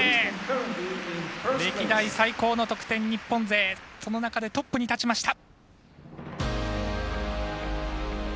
歴代最高の得点日本勢その中でトップに立ちました。